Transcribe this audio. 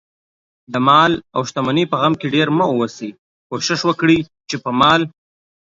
دمال اوشتمنۍ په غم کې ډېر مه اوسئ، کوښښ وکړئ، چې په مال